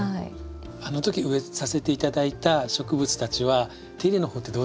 あのとき植えさせて頂いた植物たちは手入れの方ってどうですか？